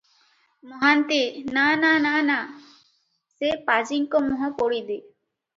ମହାନ୍ତିଏ-ନା -ନା -ନା -ନା, ସେ ପାଜିଙ୍କ ମୁହଁ ପୋଡ଼ି ଦେ ।